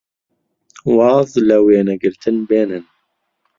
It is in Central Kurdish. واز لە وێنەگرتن بێنن!